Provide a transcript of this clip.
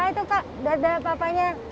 nah itu kak dadah papanya